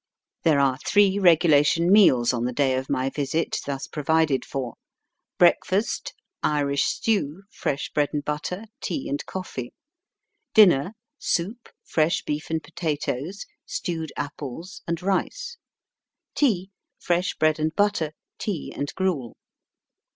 There are three regulation meals on the day of my visit thus provided for :— Breakfast : Irish stew, fresh bread and butter, tea, and coffee. Dinner : Soup, fresh beef and potatoes, stewed apples, and rice. Tea : Fresh bread and butter, tea, and gruel.